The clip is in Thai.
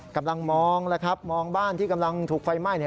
กำลังมองแล้วครับมองบ้านที่กำลังถูกไฟไหม้